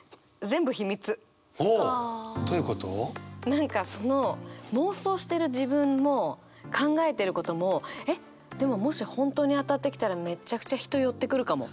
何かその妄想してる自分も考えてることもえっでももし本当に当たってきたらめちゃくちゃ人寄ってくるかも。